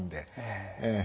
ええ。